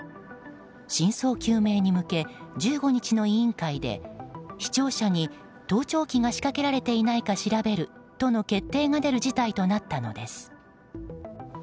真相究明に向け１５日の委員会で市庁舎に盗聴器が仕掛けられていないか調べるとの決定が出る事態となったのです。